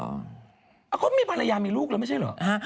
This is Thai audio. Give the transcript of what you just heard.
เขามีภรรยามีลูกแล้วไม่ใช่เหรอ